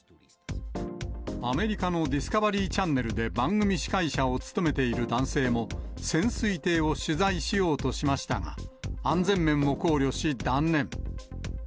アメリカのディスカバリーチャンネルで番組司会者を務めている男性も、潜水艇を取材しようとしましたが、安全面を考慮し、断念。